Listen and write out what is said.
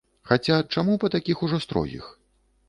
Хаця, чаму па такіх ужо строгіх?